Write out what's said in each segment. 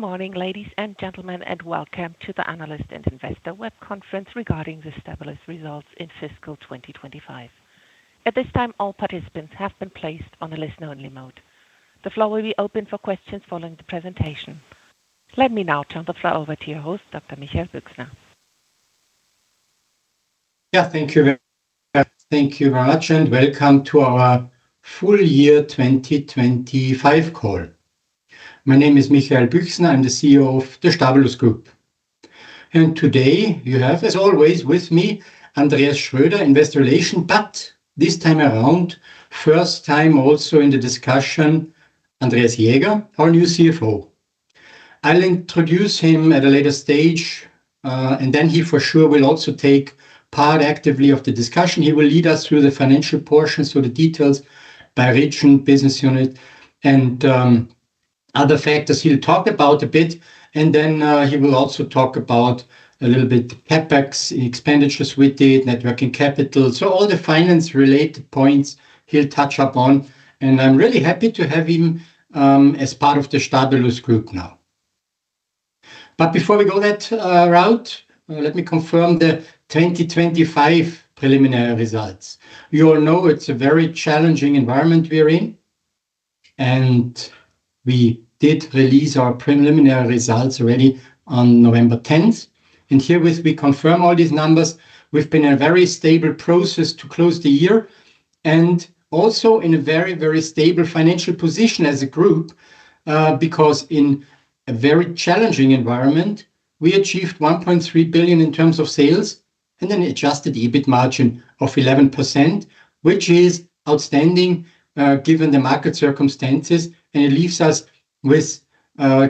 Good morning, ladies and gentlemen, and welcome to the analysts and investors web conference regarding the Stabilus results in fiscal 2025. At this time, all participants have been placed on a listen-only mode. The floor will be open for questions following the presentation. Let me now turn the floor over to your host, Dr. Michael Büchsner. Yeah, thank you very much, and welcome to our full year 2025 call. My name is Michael Büchsner, I'm the CEO of the Stabilus Group, and today you have, as always, with me, Andreas Schröder, Investor Relations, but this time around, first time also in the discussion, Andreas Jaeger, our new CFO. I'll introduce him at a later stage, and then he for sure will also take part actively of the discussion. He will lead us through the financial portion, so the details by region, business unit, and other factors he'll talk about a bit, and then he will also talk about a little bit CapEx expenditures we did, net working capital, so all the finance-related points he'll touch upon. I'm really happy to have him as part of the Stabilus Group now, but before we go that route, let me confirm the 2025 preliminary results. You all know it's a very challenging environment we're in, and we did release our preliminary results already on November 10th, and here we confirm all these numbers. We've been in a very stable process to close the year and also in a very, very stable financial position as a group because in a very challenging environment, we achieved 1.3 billion in terms of sales and then adjusted EBIT margin of 11%, which is outstanding given the market circumstances. It leaves us with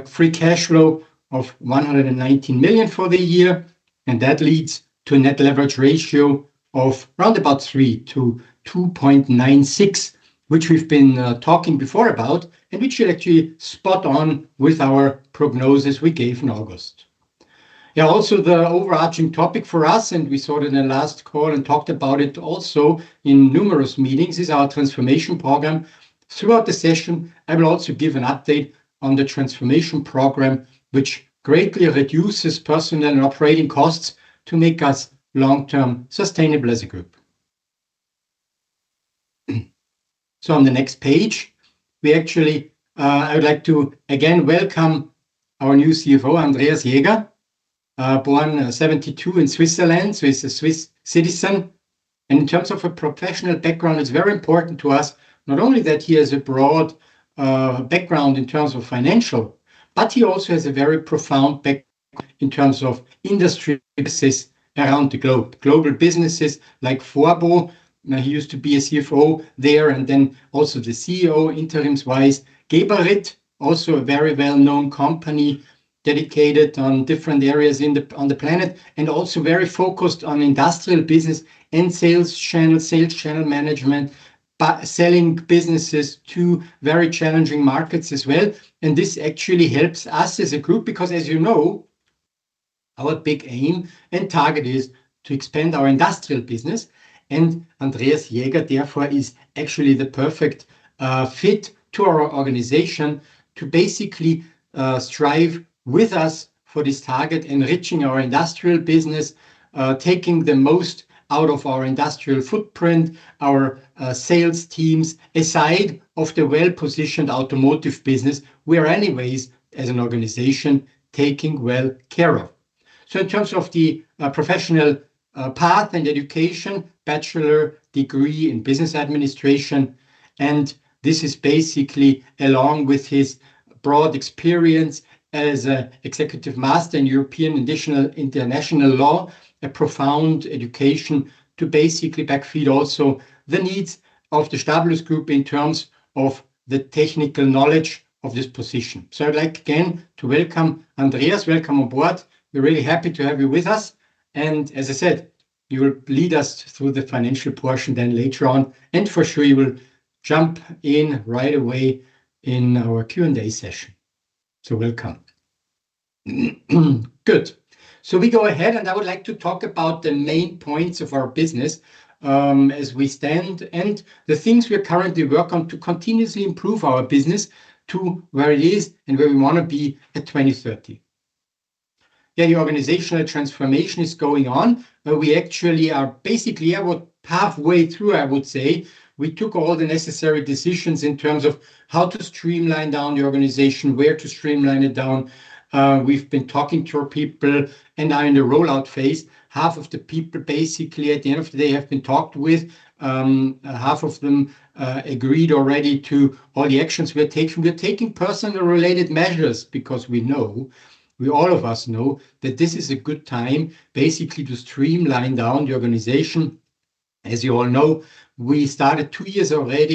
free cash flow of 119 million for the year, and that leads to a net leverage ratio of around about 3 to 2.96, which we've been talking before about and which you actually spot on with our prognosis we gave in August. Yeah, also the overarching topic for us, and we saw it in the last call and talked about it also in numerous meetings, is our transformation program. Throughout the session, I will also give an update on the transformation program, which greatly reduces personnel and operating costs to make us long-term sustainable as a group. So on the next page, we actually, I would like to again welcome our new CFO, Andreas Jaeger, born 1972 in Switzerland, so he's a Swiss citizen. In terms of a professional background, it's very important to us not only that he has a broad background in terms of financial, but he also has a very profound background in terms of industry businesses around the globe, global businesses like Forbo. He used to be a CFO there and then also the CEO interims-wise. Geberit, also a very well-known company dedicated to different areas on the planet and also very focused on industrial business and sales channel, sales channel management, selling businesses to very challenging markets as well. And this actually helps us as a group because, as you know, our big aim and target is to expand our industrial business. And Andreas Jaeger therefore is actually the perfect fit to our organization to basically strive with us for this target, enriching our industrial business, taking the most out of our industrial footprint, our sales teams aside of the well-positioned Automotive business, we are anyways as an organization taking well care of. So, in terms of the professional path and education, bachelor's degree in business administration, and this is basically along with his broad experience as an Executive Master in European and International Law, a profound education to basically backfeed also the needs of the Stabilus Group in terms of the technical knowledge of this position. So, I'd like again to welcome Andreas. Welcome aboard. We're really happy to have you with us, and as I said, you will lead us through the financial portion then later on, and for sure you will jump in right away in our Q&A session. So, welcome. Good. So, we go ahead, and I would like to talk about the main points of our business as we stand and the things we are currently working on to continuously improve our business to where it is and where we want to be at 2030. Yeah, the organizational transformation is going on. We actually are basically halfway through, I would say. We took all the necessary decisions in terms of how to streamline down the organization, where to streamline it down. We've been talking to our people, and now in the rollout phase, half of the people basically at the end of the day have been talked with. Half of them agreed already to all the actions we're taking. We're taking personal related measures because we know, all of us know that this is a good time basically to streamline down the organization. As you all know, we started two years ago with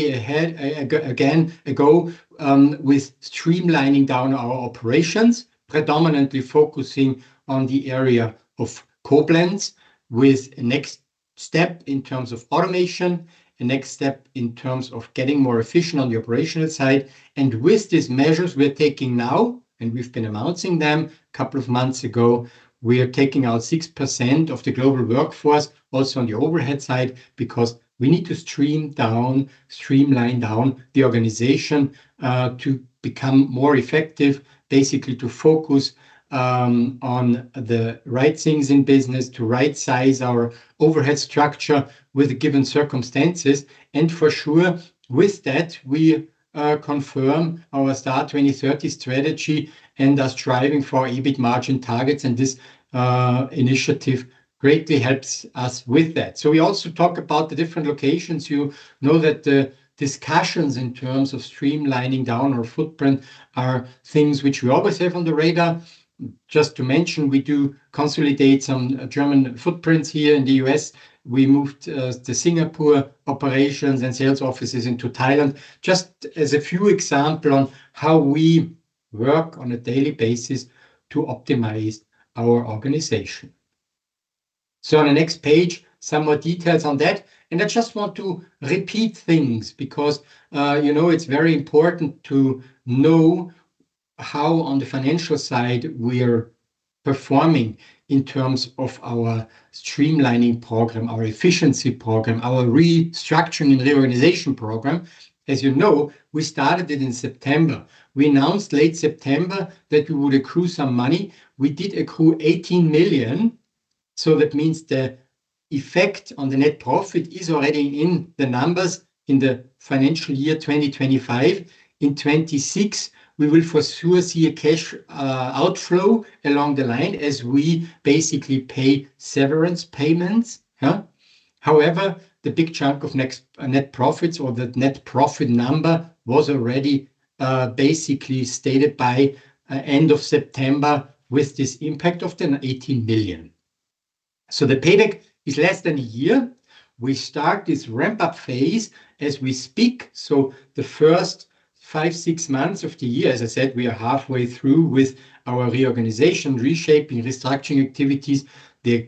streamlining down our operations, predominantly focusing on the area of Koblenz with a next step in terms of automation, a next step in terms of getting more efficient on the operational side. With these measures we're taking now, and we've been announcing them a couple of months ago, we're taking out 6% of the global workforce also on the overhead side because we need to streamline down the organization to become more effective, basically to focus on the right things in business, to right-size our overhead structure with the given circumstances. For sure with that, we confirm our STAR 2030 strategy and our striving for EBIT margin targets. This initiative greatly helps us with that. We also talk about the different locations. You know that the discussions in terms of streamlining down our footprint are things which we always have on the radar. Just to mention, we do consolidate some German footprints here in the U.S. We moved the Singapore operations and sales offices into Thailand, just as a few examples on how we work on a daily basis to optimize our organization, so on the next page, some more details on that, and I just want to repeat things because you know it's very important to know how on the financial side we are performing in terms of our streamlining program, our efficiency program, our restructuring and reorganization program. As you know, we started it in September. We announced late September that we would accrue some money. We did accrue 18 million. So that means the effect on the net profit is already in the numbers in the financial year 2025. In 2026, we will for sure see a cash outflow along the line as we basically pay severance payments. However, the big chunk of net profits or the net profit number was already basically stated by end of September with this impact of 18 million. So the payback is less than a year. We start this ramp-up phase as we speak. So the first five, six months of the year, as I said, we are halfway through with our reorganization, reshaping, restructuring activities. The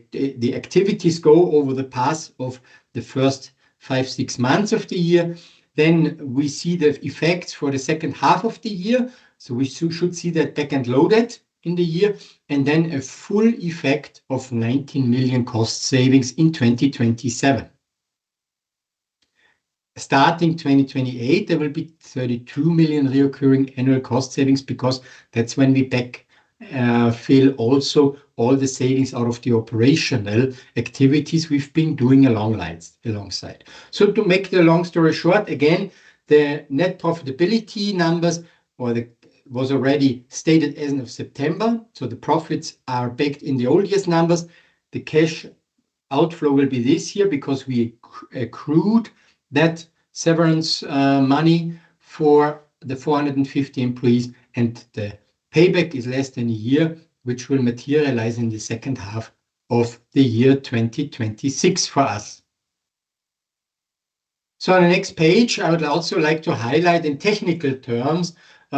activities go over the past of the first five, six months of the year. Then we see the effects for the second half of the year. So we should see that back-end loaded in the year. And then a full effect of 19 million cost savings in 2027. Starting 2028, there will be 32 million recurring annual cost savings because that's when we backfill also all the savings out of the operational activities we've been doing alongside. So to make the long story short, again, the net profitability numbers were already stated as of September. So the profits are backed in the old years numbers. The cash outflow will be this year because we accrued that severance money for the 450 employees, and the payback is less than a year, which will materialize in the second half of the year 2026 for us. So on the next page, I would also like to highlight in technical terms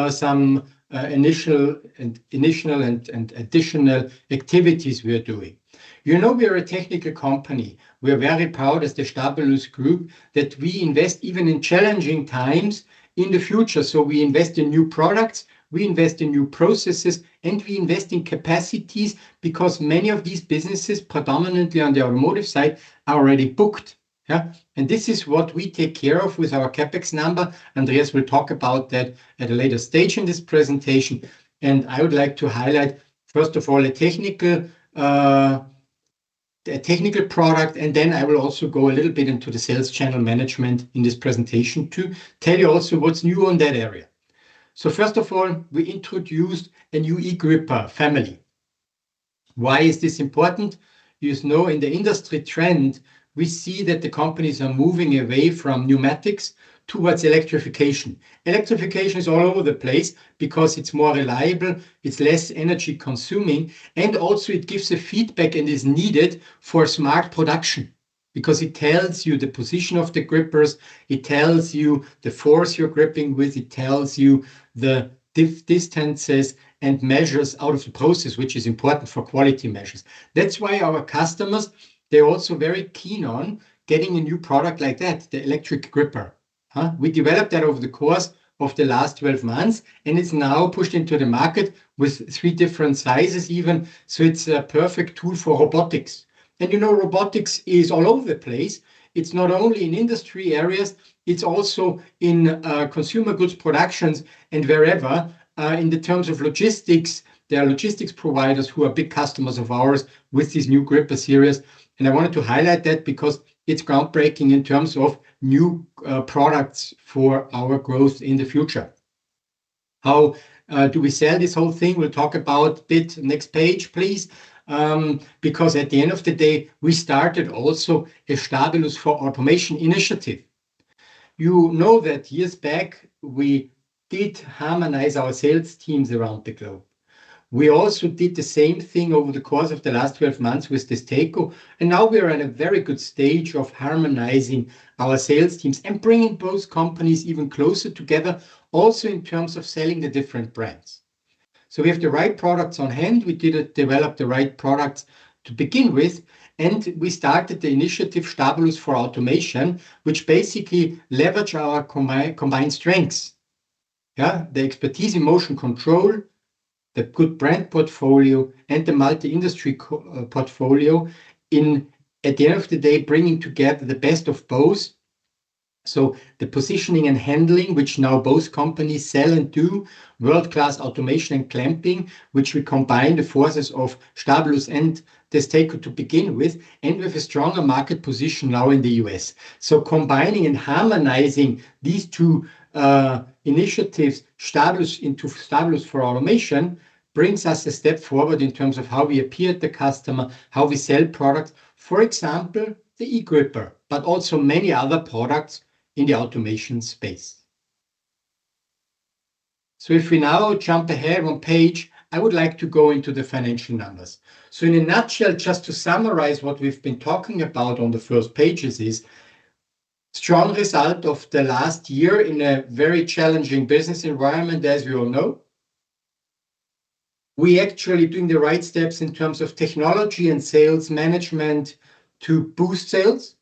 some initial and additional activities we are doing. You know we are a technical company. We are very proud as the Stabilus Group that we invest even in challenging times in the future. So we invest in new products, we invest in new processes, and we invest in capacities because many of these businesses, predominantly on the automotive side, are already booked. And this is what we take care of with our CapEx number. Andreas will talk about that at a later stage in this presentation. And I would like to highlight, first of all, a technical product, and then I will also go a little bit into the sales channel management in this presentation to tell you also what's new on that area. So first of all, we introduced a new e-gripper family. Why is this important? You know, in the industry trend, we see that the companies are moving away from pneumatics towards electrification. Electrification is all over the place because it's more reliable, it's less energy consuming, and also it gives a feedback and is needed for smart production because it tells you the position of the grippers, it tells you the force you're gripping with, it tells you the distances and measures out of the process, which is important for quality measures. That's why our customers, they're also very keen on getting a new product like that, the electric gripper. We developed that over the course of the last 12 months, and it's now pushed into the market with three different sizes even. So it's a perfect tool for robotics. And you know robotics is all over the place. It's not only in industry areas, it's also in consumer goods productions and wherever. In terms of logistics, there are logistics providers who are big customers of ours with these new gripper series, and I wanted to highlight that because it's groundbreaking in terms of new products for our growth in the future. How do we sell this whole thing? We'll talk about it next page, please, because at the end of the day, we started also a Stabilus4Automation initiative. You know that years back, we did harmonize our sales teams around the globe. We also did the same thing over the course of the last 12 months with DESTACO and now we are at a very good stage of harmonizing our sales teams and bringing both companies even closer together, also in terms of selling the different brands, so we have the right products on hand. We developed the right products to begin with, and we started the initiative Stabilus4Automation, which basically leverages our combined strengths, the expertise in motion control, the good brand portfolio, and the multi-industry portfolio in, at the end of the day, bringing together the best of both. So the positioning and handling, which now both companies sell and do, world-class automation and clamping, which we combine the forces of Stabilus and DESTACO to begin with, and with a stronger market position now in the U.S. So combining and harmonizing these two initiatives, Stabilus into Stabilus4Automation, brings us a step forward in terms of how we appear to the customer, how we sell products, for example, the e-gripper, but also many other products in the automation space. So if we now jump ahead one page, I would like to go into the financial numbers. In a nutshell, just to summarize what we've been talking about on the first pages is a strong result of the last year in a very challenging business environment, as you all know. We actually are doing the right steps in terms of technology and sales management to boost sales,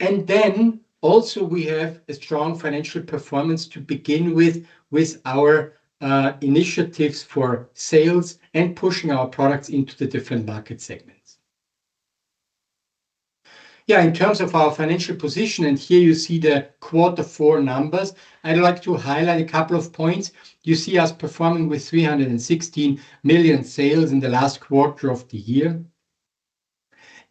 and then also we have a strong financial performance to begin with with our initiatives for sales and pushing our products into the different market segments. Yeah, in terms of our financial position, and here you see the quarter four numbers, I'd like to highlight a couple of points. You see us performing with 316 million sales in the last quarter of the year.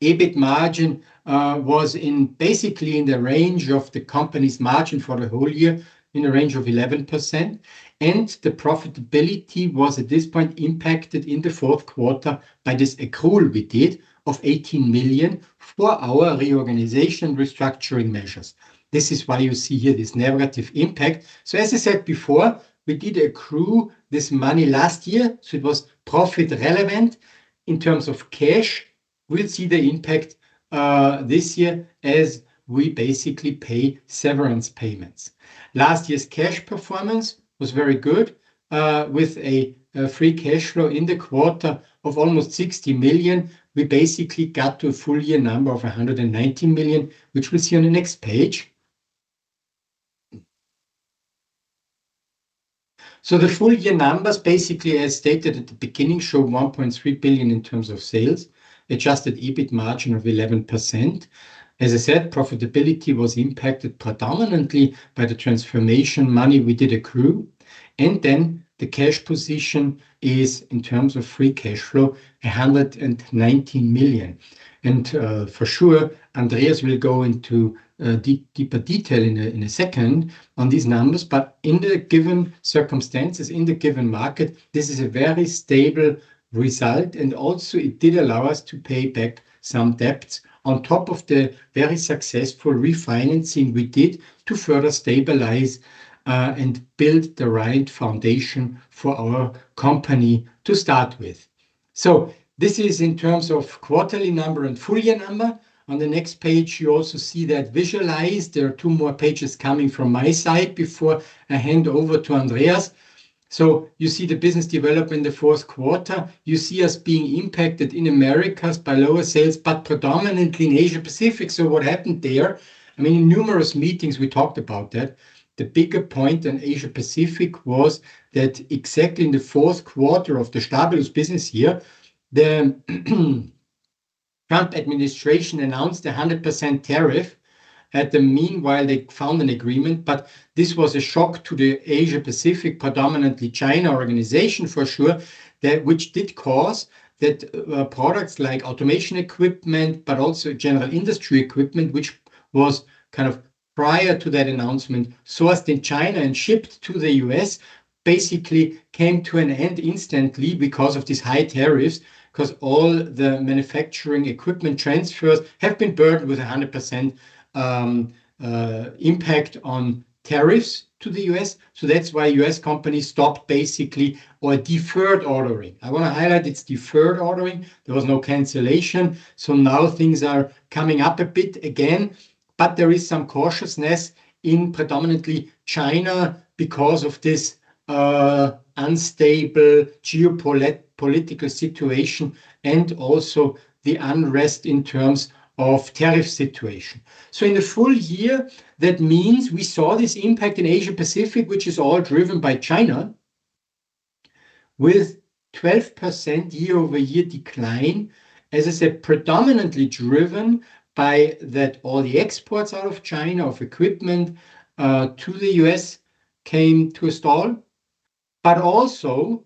EBIT margin was basically in the range of the company's margin for the whole year in the range of 11%. The profitability was at this point impacted in the fourth quarter by this accrual we did of 18 million for our reorganization and restructuring measures. This is why you see here this negative impact. As I said before, we did accrue this money last year, so it was profit relevant in terms of cash. We'll see the impact this year as we basically pay severance payments. Last year's cash performance was very good with a free cash flow in the quarter of almost 60 million. We basically got to a full year number of 190 million, which we'll see on the next page. The full year numbers basically, as stated at the beginning, show 1.3 billion in terms of sales, adjusted EBIT margin of 11%. As I said, profitability was impacted predominantly by the transformation money we did accrue. And then the cash position is in terms of free cash flow, 119 million. And for sure, Andreas will go into deeper detail in a second on these numbers. But in the given circumstances, in the given market, this is a very stable result. And also it did allow us to pay back some debts on top of the very successful refinancing we did to further stabilize and build the right foundation for our company to start with. So this is in terms of quarterly number and full year number. On the next page, you also see that visualized. There are two more pages coming from my side before I hand over to Andreas. So you see the business development in the fourth quarter. You see us being impacted in Americas by lower sales, but predominantly in Asia-Pacific. So what happened there? I mean, in numerous meetings, we talked about that. The bigger point in Asia-Pacific was that exactly in the fourth quarter of the Stabilus business year, the Trump administration announced a 100% tariff. In the meanwhile, they found an agreement, but this was a shock to the Asia-Pacific, predominantly China organization for sure, which did cause that products like automation equipment, but also general industry equipment, which was kind of prior to that announcement, sourced in China and shipped to the U.S., basically came to an end instantly because of these high tariffs because all the manufacturing equipment transfers have been burdened with a 100% impact on tariffs to the U.S. So that's why U.S. companies stopped basically or deferred ordering. I want to highlight it's deferred ordering. There was no cancellation. So now things are coming up a bit again, but there is some cautiousness in predominantly China because of this unstable geopolitical situation and also the unrest in terms of tariff situation. So in the full year, that means we saw this impact in Asia-Pacific, which is all driven by China, with 12% year-over-year decline, as I said, predominantly driven by that all the exports out of China of equipment to the U.S. came to a stall. But also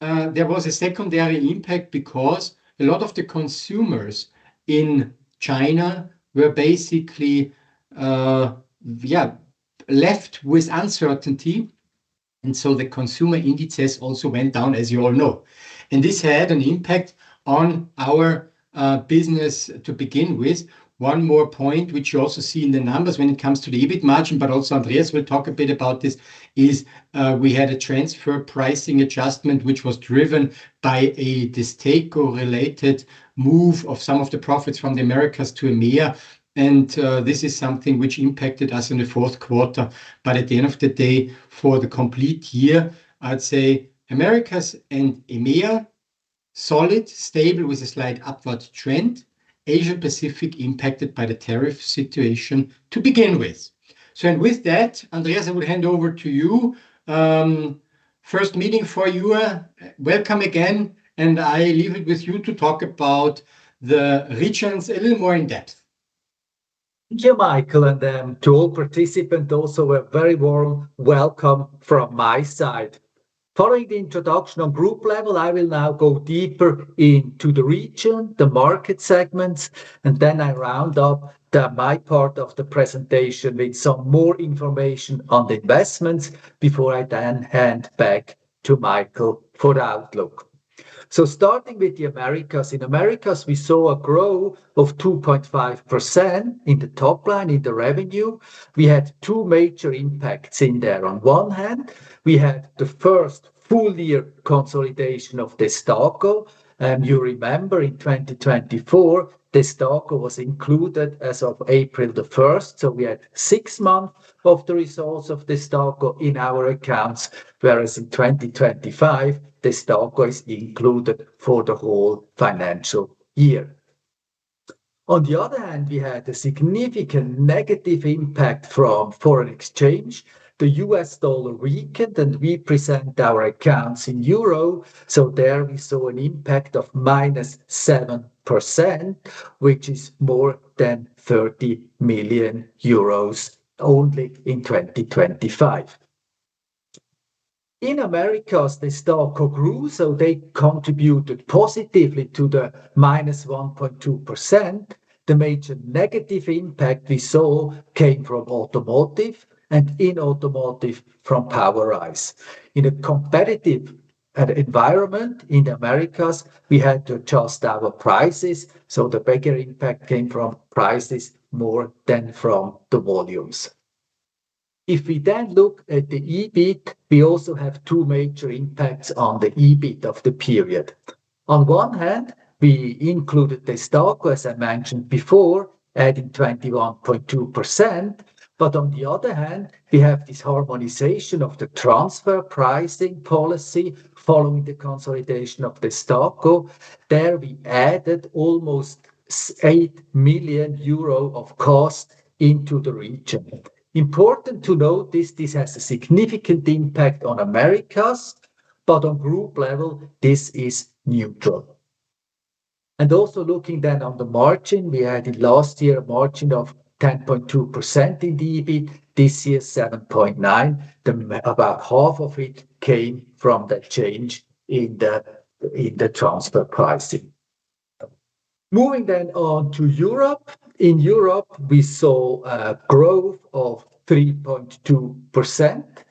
there was a secondary impact because a lot of the consumers in China were basically, yeah, left with uncertainty. And so the consumer indices also went down, as you all know. And this had an impact on our business to begin with. One more point, which you also see in the numbers when it comes to the EBIT margin, but also Andreas will talk a bit about this, is we had a transfer pricing adjustment, which was driven by a tax-related move of some of the profits from the Americas to EMEA, and this is something which impacted us in the fourth quarter, but at the end of the day, for the complete year, I'd say Americas and EMEA, solid, stable with a slight upward trend. Asia-Pacific impacted by the tariff situation to begin with, so with that, Andreas, I will hand over to you. First meeting for you. Welcome again, and I leave it with you to talk about the regions a little more in depth. Thank you, Michael, and to all participants, also a very warm welcome from my side. Following the introduction on group level, I will now go deeper into the region, the market segments, and then I round up my part of the presentation with some more information on the investments before I then hand back to Michael for the outlook, so starting with the Americas, in Americas, we saw a growth of 2.5% in the top line in the revenue. We had two major impacts in there. On one hand, we had the first full year consolidation of the DESTACO. And you remember in 2024, the DESTACO was included as of April the 1st, so we had six months of the results of the DESTACO in our accounts, whereas in 2025, the DESTACO is included for the whole financial year. On the other hand, we had a significant negative impact from foreign exchange. The U.S. dollar weakened, and we present our accounts in euro. There we saw an impact of -7%, which is more than 30 million euros only in 2025. In Americas, DESTACO grew, so they contributed positively to the -1.2%. The major negative impact we saw came from automotive and in Automotive from POWERISE. In a competitive environment in Americas, we had to adjust our prices. So the bigger impact came from prices more than from the volumes. If we then look at the EBIT, we also have two major impacts on the EBIT of the period. On one hand, we included DESTACO, as I mentioned before, adding 21.2%. But on the other hand, we have this harmonization of the transfer pricing policy following the consolidation of DESTACO. There we added almost 8 million euro of cost into the region. Important to note this, this has a significant impact on Americas, but on group level, this is neutral, and also looking then on the margin, we had last year a margin of 10.2% in the EBIT. This year 7.9%. About half of it came from the change in the transfer pricing. Moving then on to Europe. In Europe, we saw a growth of 3.2%,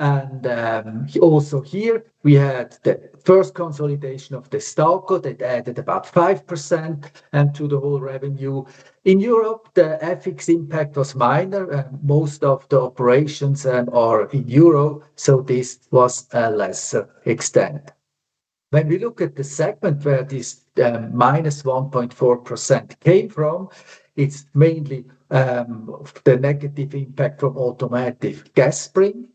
and also here, we had the first consolidation of the DESTACO that added about 5% to the whole revenue. In Europe, the FX impact was minor. Most of the operations are in Europe, so this was a lesser extent. When we look at the segment where this -1.4% came from, it's mainly the negative impact from Automotive Gas Spring.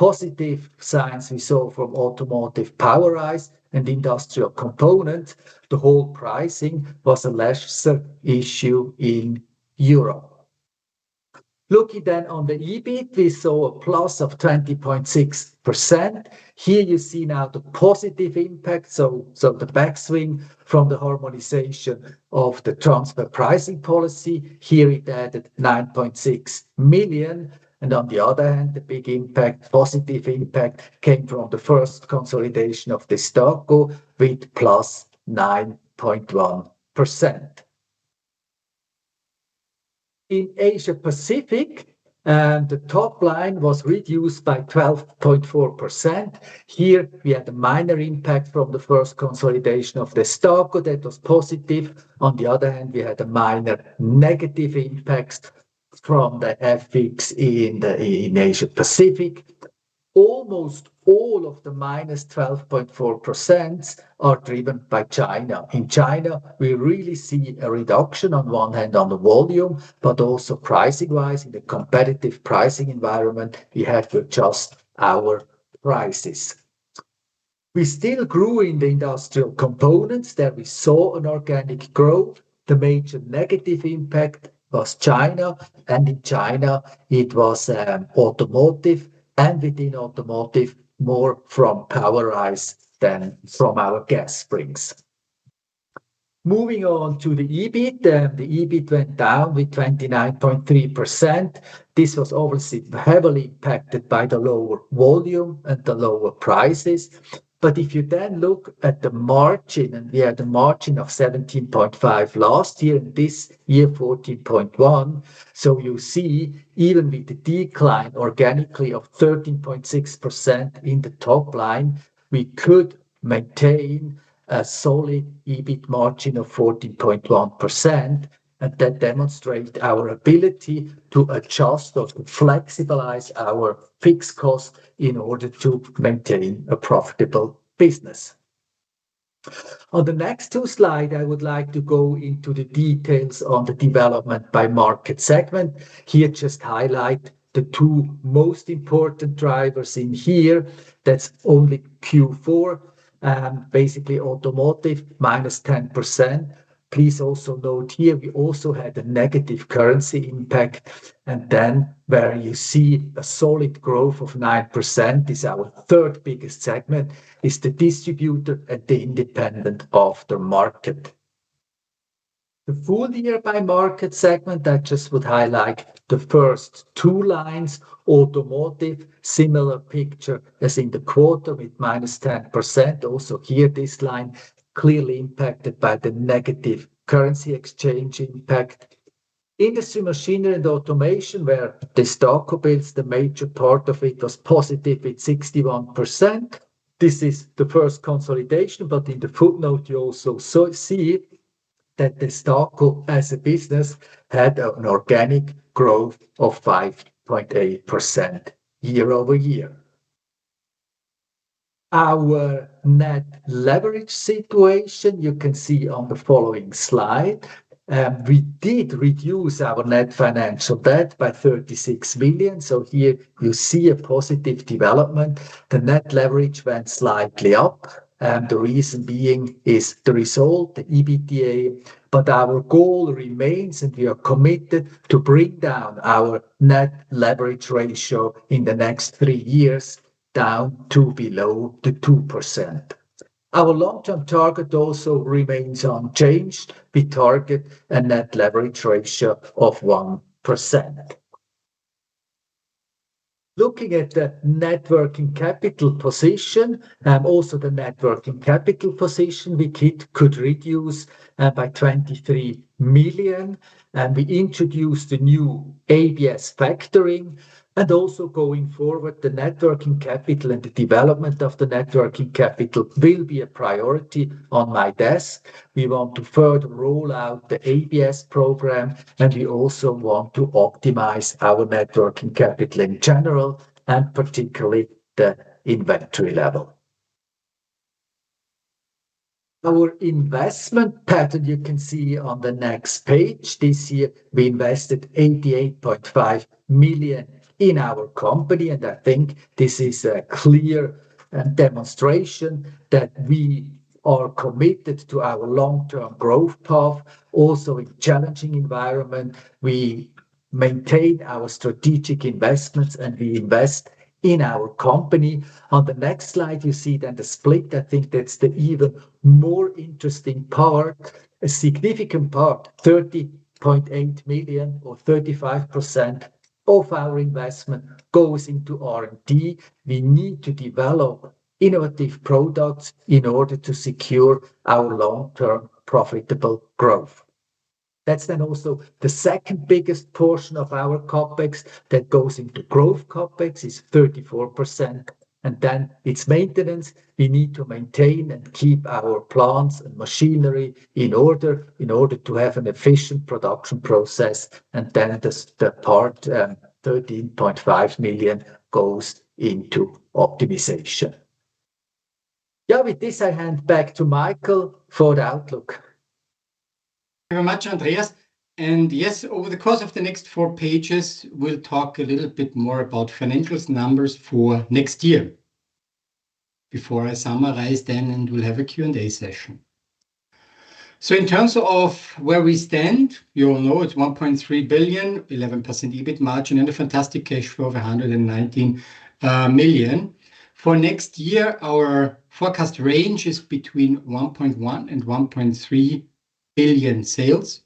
Positive signs we saw from Automotive POWERISE and Industrial Components. The whole pricing was a lesser issue in Europe. Looking then on the EBIT, we saw a plus of 20.6%. Here you see now the positive impact, so the back swing from the harmonization of the transfer pricing policy; here it added 9.6 million, and on the other hand, the big impact, positive impact came from the first consolidation of the DESTACO with plus 9.1%. In Asia-Pacific, the top line was reduced by 12.4%. Here we had a minor impact from the first consolidation of the DESTACO that was positive. On the other hand, we had a minor negative impact from the FX in Asia-Pacific. Almost all of the -12.4% are driven by China. In China, we really see a reduction on one hand on the volume, but also pricing-wise, in the competitive pricing environment, we had to adjust our prices. We still grew in the Industrial Components. There we saw an organic growth. The major negative impact was China, and in China, it was Automotive and within Automotive more from POWERISE than from our gas springs. Moving on to the EBIT, the EBIT went down with 29.3%. This was obviously heavily impacted by the lower volume and the lower prices, but if you then look at the margin, and we had a margin of 17.5% last year and this year 14.1%. So you see, even with the decline organically of 13.6% in the top line, we could maintain a solid EBIT margin of 14.1%, and that demonstrated our ability to adjust or to flexibilize our fixed cost in order to maintain a profitable business. On the next two slides, I would like to go into the details on the development by market segment. Here just highlight the two most important drivers in here. That's only Q4, basically Automotive -10%. Please also note here we also had a negative currency impact, and then where you see a solid growth of 9% is our third biggest segment, is the Distributor and the Independent Aftermarket. The full year by market segment, I just would highlight the first two lines, automotive, similar picture as in the quarter with -10%. Also here, this line clearly impacted by the negative currency exchange impact. Industrial Machinery & Automation, where the DESTACO builds, the major part of it was positive with 61%. This is the first consolidation, but in the footnote, you also see that the DESTACO as a business had an organic growth of 5.8% year over year. Our net leverage situation, you can see on the following slide. We did reduce our net financial debt by 36 million, so here you see a positive development. The net leverage went slightly up. The reason being is the result, the EBITDA. But our goal remains, and we are committed to bring down our net leverage ratio in the next three years down to below 2%. Our long-term target also remains unchanged. We target a net leverage ratio of 1%. Looking at the net working capital position, also the net working capital position, we could reduce by 23 million. And we introduced the new ABS factoring. And also going forward, the net working capital and the development of the net working capital will be a priority on my desk. We want to further roll out the ABS program, and we also want to optimize our net working capital in general and particularly the inventory level. Our investment pattern, you can see on the next page. This year, we invested 88.5 million in our company. I think this is a clear demonstration that we are committed to our long-term growth path. Also in challenging environment, we maintain our strategic investments and we invest in our company. On the next slide, you see then the split. I think that's the even more interesting part, a significant part, 30.8 million or 35% of our investment goes into R&D. We need to develop innovative products in order to secure our long-term profitable growth. That's then also the second biggest portion of our CapEx that goes into growth CapEx is 34%. Then it's maintenance. We need to maintain and keep our plants and machinery in order in order to have an efficient production process. Then the part, 13.5 million goes into optimization. Yeah, with this, I hand back to Michael for the outlook. Thank you very much, Andreas. Yes, over the course of the next four pages, we'll talk a little bit more about financials numbers for next year before I summarize them and we'll have a Q&A session. In terms of where we stand, you all know it's 1.3 billion, 11% EBIT margin, and a fantastic cash flow of 119 million. For next year, our forecast range is between 1.1 billion and 1.3 billion sales,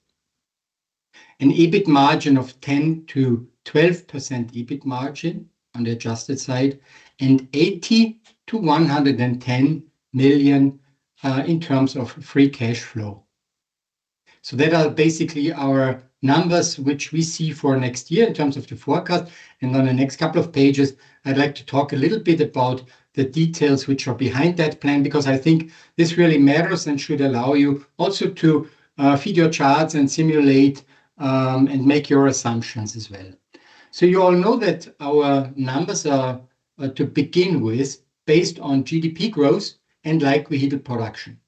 an EBIT margin of 10-12% EBIT margin on the adjusted side, and 80-110 million in terms of free cash flow. That are basically our numbers which we see for next year in terms of the forecast. And on the next couple of pages, I'd like to talk a little bit about the details which are behind that plan because I think this really matters and should allow you also to feed your charts and simulate and make your assumptions as well. So you all know that our numbers are to begin with based on GDP growth and likelihood of production.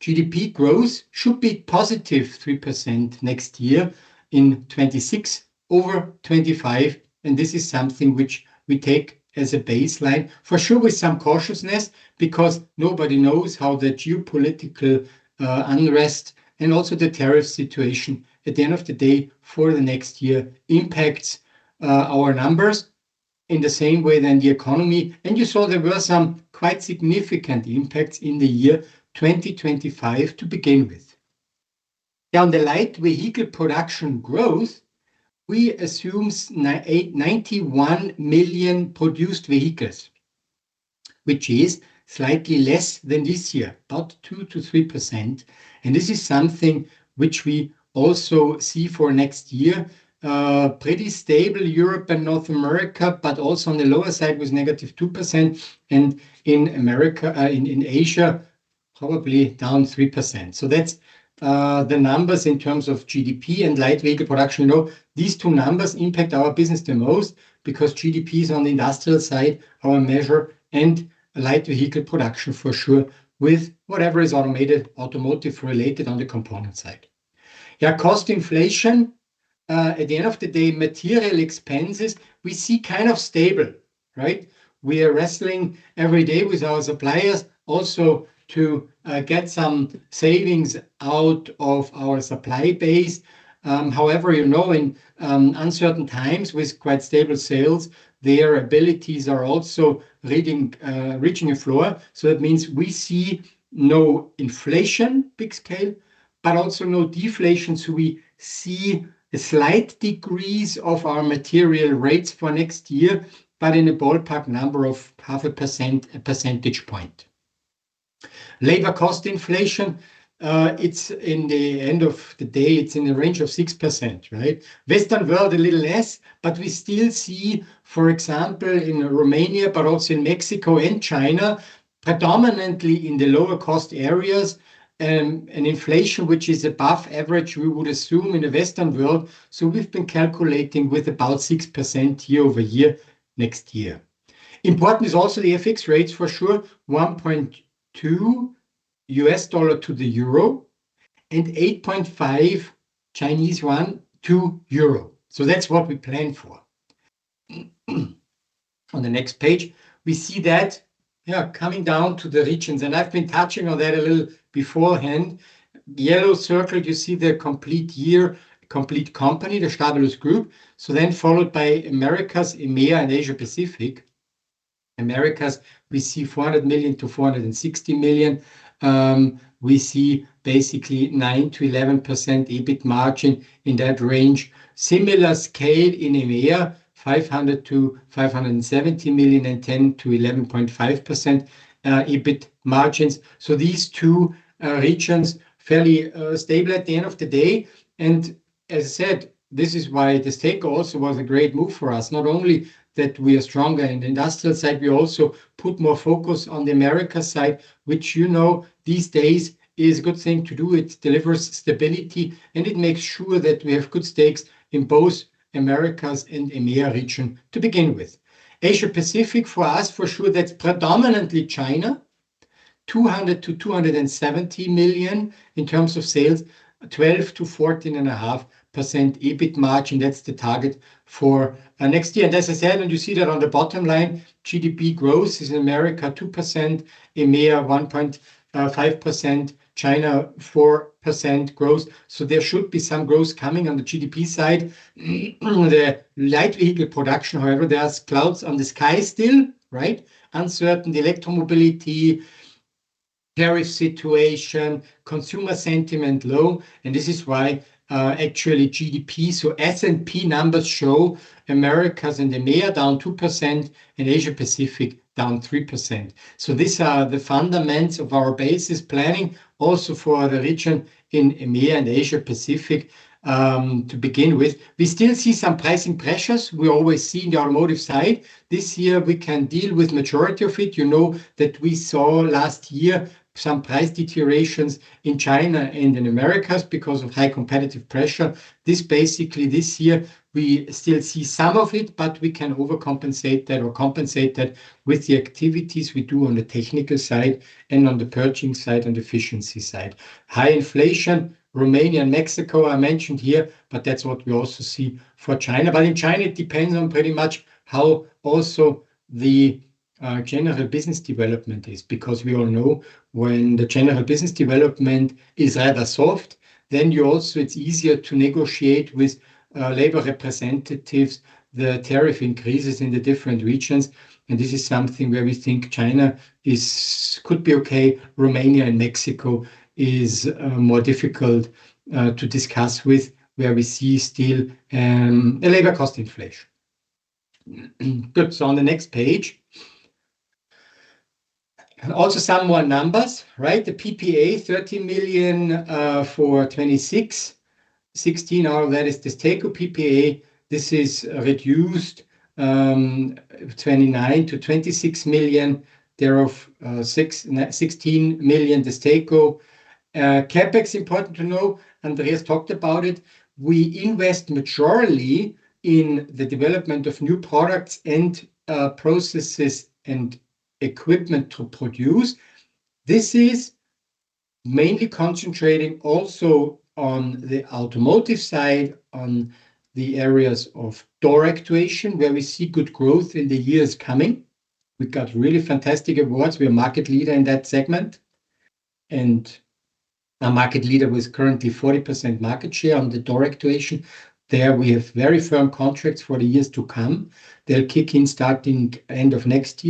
GDP growth should be +3% next year in 2026 over 2025. And this is something which we take as a baseline for sure with some cautiousness because nobody knows how the geopolitical unrest and also the tariff situation at the end of the day for the next year impacts our numbers in the same way than the economy. And you saw there were some quite significant impacts in the year 2025 to begin with. Now, on the light vehicle production growth, we assume 91 million produced vehicles, which is slightly less than this year, about 2%-3%. And this is something which we also see for next year, pretty stable Europe and North America, but also on the lower side with -2%. And in America, in Asia, probably down 3%. So that's the numbers in terms of GDP and light vehicle production. These two numbers impact our business the most because GDP is on the industrial side, our measure, and light vehicle production for sure with whatever is automated, automotive related on the component side. Yeah, cost inflation at the end of the day, material expenses, we see kind of stable, right? We are wrestling every day with our suppliers also to get some savings out of our supply base. However, you know, in uncertain times with quite stable sales, their abilities are also reaching a floor. So that means we see no inflation big scale, but also no deflation. So we see a slight decrease of our material rates for next year, but in a ballpark number of 0.5, a percentage point. Labor cost inflation, it's in the end of the day, it's in the range of 6%, right? Western world a little less, but we still see, for example, in Romania, but also in Mexico and China, predominantly in the lower cost areas, an inflation which is above average, we would assume in the Western world. So we've been calculating with about 6% year-over-year next year. Important is also the FX rates for sure, $1.2 to the euro and 8.5 Chinese yuan to euro. So that's what we plan for. On the next page, we see that, yeah, coming down to the regions. And I've been touching on that a little beforehand. Yellow circled, you see the complete year, complete company, the Stabilus Group. So then followed by Americas, EMEA and Asia-Pacific. Americas, we see 400 million-460 million. We see basically 9%-11% EBIT margin in that range. Similar scale in EMEA, 500 million-570 million and 10%-11.5% EBIT margins. So these two regions fairly stable at the end of the day. And as I said, this is why DESTACO also was a great move for us. Not only that we are stronger in the industrial side, we also put more focus on the Americas side, which you know these days is a good thing to do. It delivers stability and it makes sure that we have good stakes in both Americas and EMEA region to begin with. Asia-Pacific for us, for sure, that's predominantly China, 200 million-270 million in terms of sales, 12%-14.5% EBIT margin. That's the target for next year, and as I said, and you see that on the bottom line, GDP growth is in America 2%, EMEA 1.5%, China 4% growth. So there should be some growth coming on the GDP side. The light vehicle production, however, there are clouds on the sky still, right? Uncertain, the electromobility, tariff situation, consumer sentiment low. And this is why actually GDP, so S&P numbers show Americas and EMEA down 2% and Asia-Pacific down 3%. So these are the fundamentals of our basis planning also for the region in EMEA and Asia-Pacific to begin with. We still see some pricing pressures we always see in the Automotive side. This year we can deal with the majority of it. You know that we saw last year some price deteriorations in China and in Americas because of high competitive pressure. Basically, this year we still see some of it, but we can overcompensate that or compensate that with the activities we do on the technical side and on the purchasing side and efficiency side. High inflation, Romania and Mexico I mentioned here, but that's what we also see for China. But in China, it depends on pretty much how also the general business development is because we all know when the general business development is rather soft, then it's easier to negotiate with labor representatives, the wage increases in the different regions. This is something where we think China could be okay. Romania and Mexico is more difficult to discuss with where we see still a labor cost inflation. Good. So on the next page, also some more numbers, right? The PPA 30 million for 2026, 16 million, all that is the DESTACO PPA. This is reduced 29 million to 26 million. There are 16 million the DESTACO. CapEx important to know. Andreas talked about it. We invest majority in the development of new products and processes and equipment to produce. This is mainly concentrating also on the Automotive side, on the areas of door actuation where we see good growth in the years coming. We got really fantastic awards. We are market leader in that segment. And our market leader was currently 40% market share on the door actuation. There we have very firm contracts for the years to come. They'll kick in starting end of next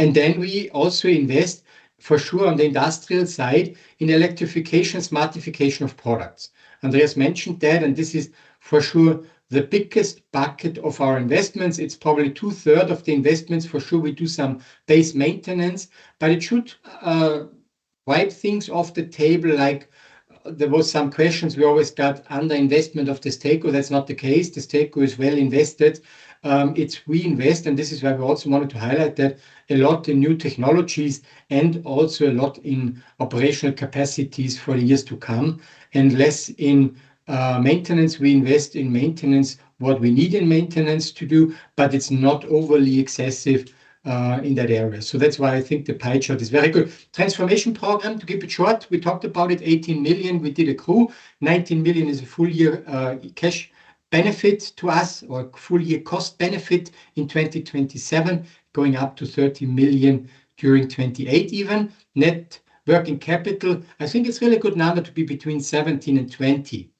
year. And then we also invest for sure on the industrial side in electrification, smartification of products. Andreas mentioned that, and this is for sure the biggest bucket of our investments. It's probably two-thirds of the investments for sure. We do some base maintenance, but it should wipe things off the table. Like there were some questions we always got under investment of the DESTACO. That's not the case. The DESTACO is well invested. It's reinvest. And this is why we also wanted to highlight that a lot in new technologies and also a lot in operational capacities for the years to come and less in maintenance. We invest in maintenance, what we need in maintenance to do, but it's not overly excessive in that area. So that's why I think the pie chart is very good. Transformation program, to keep it short, we talked about it, 18 million. We did accrue. 19 million is a full year cash benefit to us or full year cost benefit in 2027, going up to 30 million during 2028 even. Net working capital, I think it's really a good number to be between 17%-20%.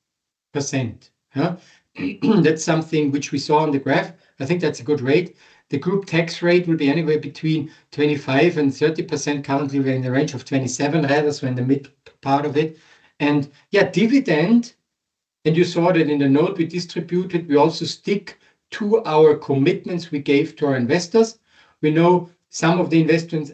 That's something which we saw on the graph. I think that's a good rate. The Group tax rate will be anywhere between 25%-30%. Currently, we're in the range of 27%, rather in the mid part of it. Yeah, dividend, and you saw that in the note we distributed. We also stick to our commitments we gave to our investors. We know some of the investors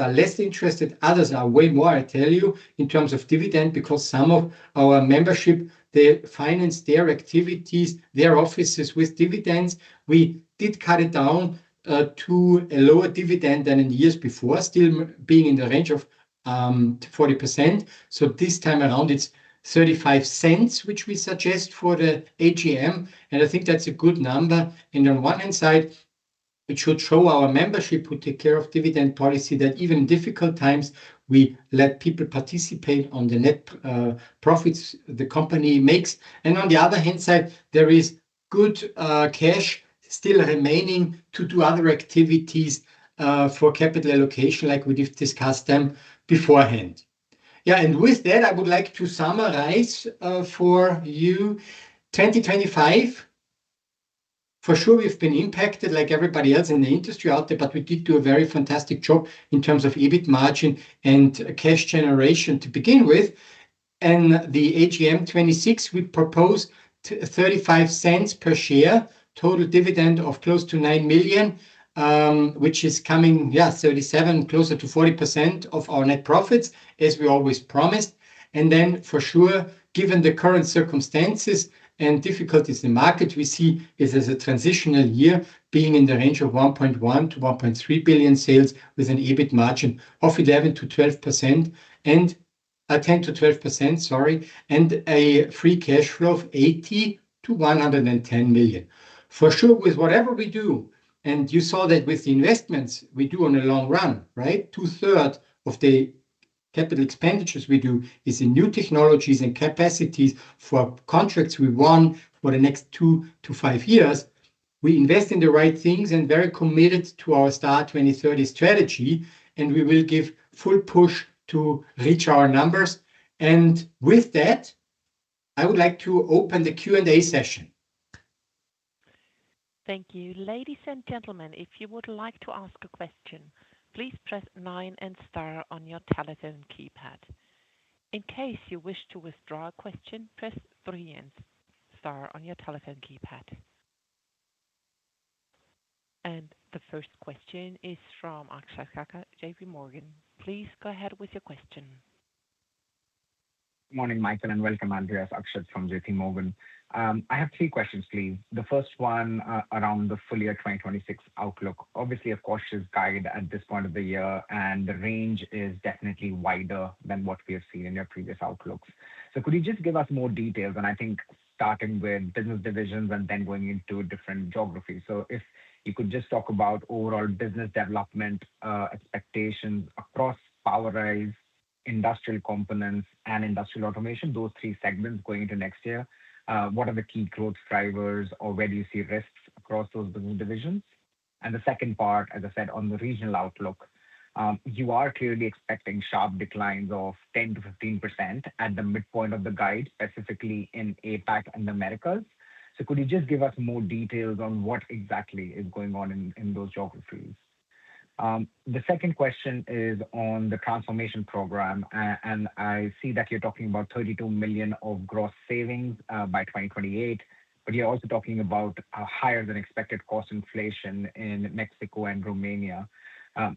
are less interested. Others are way more, I tell you, in terms of dividend because some of our membership, they finance their activities, their offices with dividends. We did cut it down to a lower dividend than in years before, still being in the range of 40%. So this time around, it's 0.35, which we suggest for the AGM. And I think that's a good number. And on one hand side, it should show our membership who take care of dividend policy that even in difficult times, we let people participate on the net profits the company makes. And on the other hand side, there is good cash still remaining to do other activities for capital allocation like we discussed them beforehand. Yeah. And with that, I would like to summarize for you 2025. For sure, we've been impacted like everybody else in the industry out there, but we did do a very fantastic job in terms of EBIT margin and cash generation to begin with. The AGM 2026, we propose 0.35 per share total dividend of close to 9 million, which is coming, yeah, 37%, closer to 40% of our net profits, as we always promised. For sure, given the current circumstances and difficulties in the market, we see it as a transitional year being in the range of 1.1 billion-1.3 billion sales with an EBIT margin of 11%-12% and a 10%-12%, sorry, and a free cash flow of 80 million-110 million. For sure, with whatever we do, and you saw that with the investments we do on a long run, right? Two-thirds of the capital expenditures we do is in new technologies and capacities for contracts we won for the next two to five years. We invest in the right things and very committed to our STAR 2030 strategy, and we will give full push to reach our numbers. With that, I would like to open the Q&A session. Thank you. Ladies and gentlemen, if you would like to ask a question, please press nine and star on your telephone keypad. In case you wish to withdraw a question, press three and star on your telephone keypad. The first question is from Akshay Kacker, JPMorgan. Please go ahead with your question. Good morning, Michael, and welcome, Andreas. Akshay from JPMorgan. I have three questions, please. The first one around the full year 2026 outlook. Obviously, a cautious guide at this point of the year, and the range is definitely wider than what we have seen in your previous outlooks. So could you just give us more details? I think starting with business divisions and then going into different geographies. If you could just talk about overall business development expectations across POWERISE, Industrial Components, and Industrial Automation, those three segments going into next year, what are the key growth drivers or where do you see risks across those business divisions? The second part, as I said, on the regional outlook, you are clearly expecting sharp declines of 10%-15% at the midpoint of the guide, specifically in APAC and the Americas. Could you just give us more details on what exactly is going on in those geographies? The second question is on the transformation program, and I see that you're talking about 32 million of gross savings by 2028, but you're also talking about a higher than expected cost inflation in Mexico and Romania,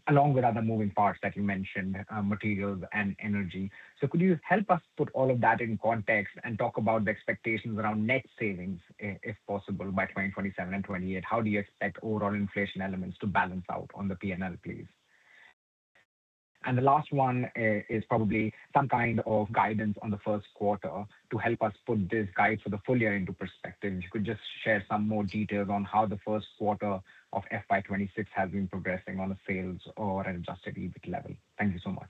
along with other moving parts that you mentioned, materials and energy. So could you help us put all of that in context and talk about the expectations around net savings, if possible, by 2027 and 2028? How do you expect overall inflation elements to balance out on the P&L, please? And the last one is probably some kind of guidance on the first quarter to help us put this guide for the full year into perspective. If you could just share some more details on how the first quarter of FY 2026 has been progressing on a sales or an adjusted EBIT level. Thank you so much.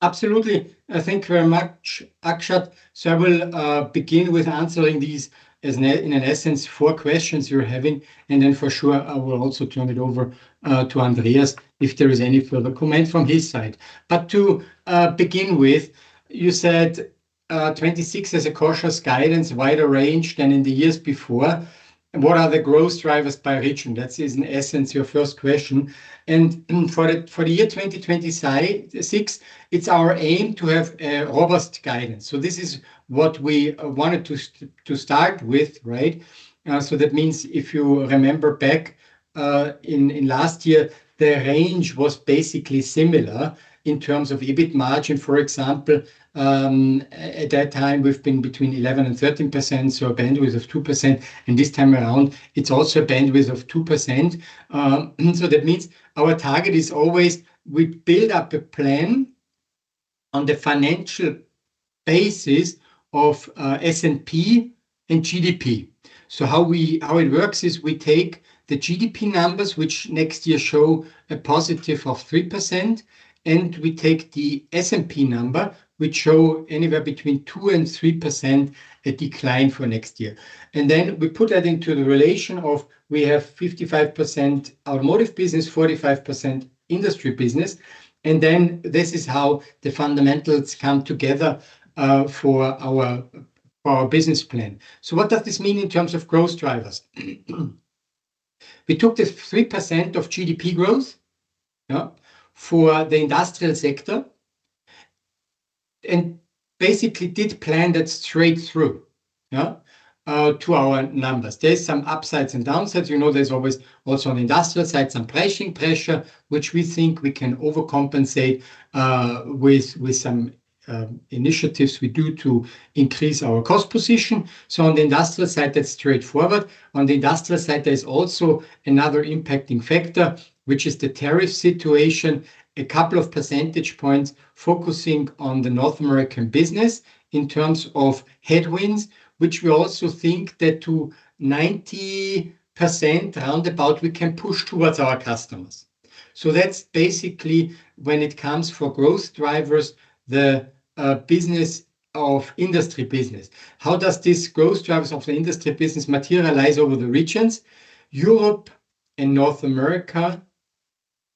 Absolutely. Thank you very much, Akshay. I will begin with answering these, in essence, four questions you're having. And then for sure, I will also turn it over to Andreas if there is any further comment from his side. But to begin with, you said 2026 as a cautious guidance, wider range than in the years before. What are the growth drivers by region? That is, in essence, your first question. And for the year 2026, it's our aim to have a robust guidance. So this is what we wanted to start with, right? So that means if you remember back in last year, the range was basically similar in terms of EBIT margin. For example, at that time, we've been between 11%-13%, so a bandwidth of 2%. And this time around, it's also a bandwidth of 2%. That means our target is always we build up a plan on the financial basis of S&P and GDP. How it works is we take the GDP numbers, which next year show a positive of 3%, and we take the S&P number, which shows anywhere between 2% and 3% decline for next year. Then we put that into the relation of we have 55% Automotive business, 45% industry business. Then this is how the fundamentals come together for our business plan. What does this mean in terms of growth drivers? We took the 3% of GDP growth for the industrial sector and basically did plan that straight through to our numbers. There are some upsides and downsides. You know there's always also on the industrial side, some pricing pressure, which we think we can overcompensate with some initiatives we do to increase our cost position. So on the industrial side, that's straightforward. On the industrial side, there's also another impacting factor, which is the tariff situation, a couple of percentage points focusing on the North American business in terms of headwinds, which we also think that to 90% roundabout we can push towards our customers. So that's basically when it comes for growth drivers, the business of industry business. How does this growth drivers of the industry business materialize over the regions? Europe and North America,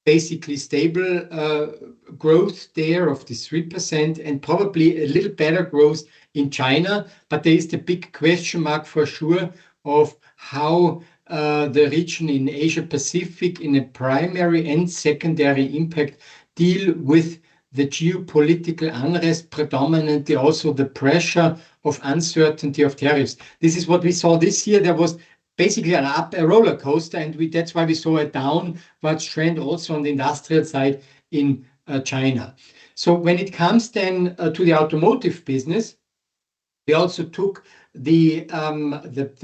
basically stable growth there of 3% and probably a little better growth in China. But there is the big question mark for sure of how the region in Asia-Pacific in a primary and secondary impact deal with the geopolitical unrest, predominantly also the pressure of uncertainty of tariffs. This is what we saw this year. There was basically a roller coaster, and that's why we saw a downward trend also on the industrial side in China. So when it comes then to the Automotive business, we also took the